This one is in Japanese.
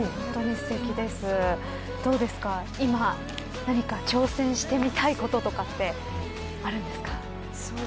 どうですか今、何か、挑戦してみたいこととかってあるんですか。